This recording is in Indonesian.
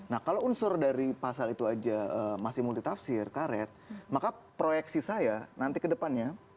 nah kalau unsur dari pasal itu aja masih multitafsir karet maka proyeksi saya nanti ke depannya